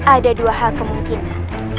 ada dua hal kemungkinan